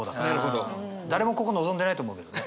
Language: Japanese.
誰もここ望んでないと思うけどね。